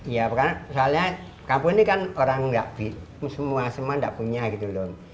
iya karena misalnya kampung ini kan orang nggak semua semua nggak punya gitu loh